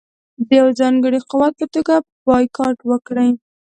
د یوه ځانګړي قوت په توګه بایکاټ وکړي.